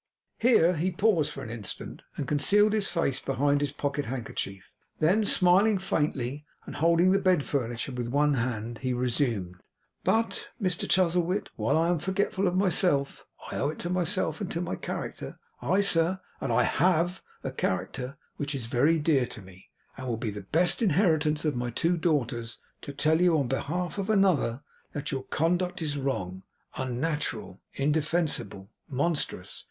Here he paused for an instant, and concealed his face behind his pocket handkerchief. Then, smiling faintly, and holding the bed furniture with one hand, he resumed: 'But, Mr Chuzzlewit, while I am forgetful of myself, I owe it to myself, and to my character aye, sir, and I HAVE a character which is very dear to me, and will be the best inheritance of my two daughters to tell you, on behalf of another, that your conduct is wrong, unnatural, indefensible, monstrous.